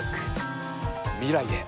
未来へ。